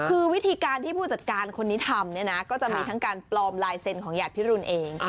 คือวิธีการที่ผู้จัดการคนนี้ทำเนี่ยนะก็จะมีทั้งการปลอมลายเซ็นต์ของหยาดพิรุณเอง